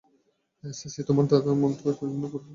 CC, তোমার দাদার মনটা চিরদিন উপরে পা করে হাঁটে।